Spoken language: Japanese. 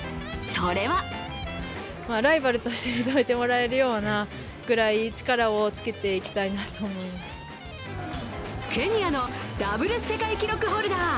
それはケニアのダブル世界記録ホルダー